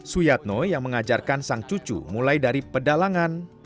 suyatno yang mengajarkan sang cucu mulai dari pedalangan